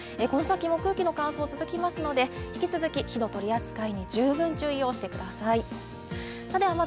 この先も空気の乾燥が続きますので、引き続き火の取り扱いに十分注してください。